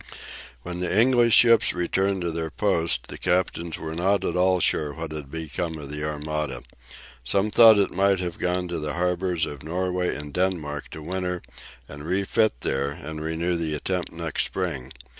When the English ships returned to their ports the captains were not at all sure what had become of the Armada. Some thought it might have gone to the harbours of Norway and Denmark to winter and refit there, and renew the attempt next spring.